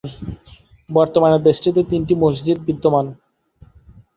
বর্তমানে দেশটিতে তিনটি মসজিদ বিদ্যমান।